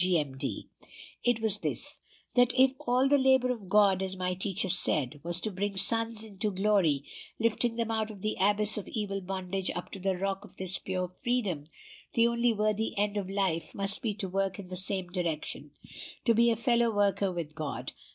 G.M.D.] It was this, that if all the labor of God, as my teacher said, was to bring sons into glory, lifting them out of the abyss of evil bondage up to the rock of his pure freedom, the only worthy end of life must be to work in the same direction, to be a fellow worker with God.